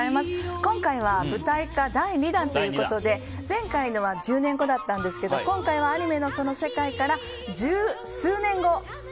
今回は舞台化第２弾ということで前回のは１０年後だったんですが今回はアニメの世界から十数年後。